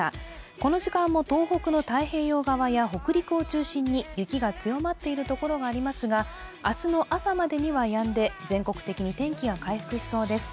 この時間も東北の太平洋側や北陸を中心に雪が強まっているところがありますが、明日の朝までにはやんで、全国的に天気は回復しそうです。